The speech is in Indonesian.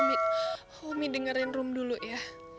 umi umi dengerin rum dulu ya